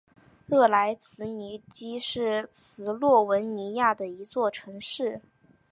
热莱兹尼基是斯洛文尼亚的一座城市。